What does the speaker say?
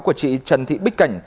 của chị trần thị bích cảnh